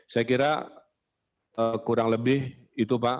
saya kira kurang lebih itu pak